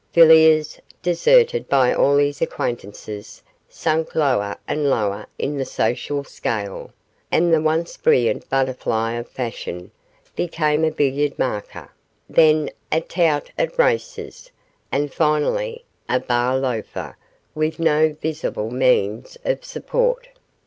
Villiers, deserted by all his acquaintances, sank lower and lower in the social scale, and the once brilliant butterfly of fashion became a billiard marker, then a tout at races, and finally a bar loafer with no visible means of support.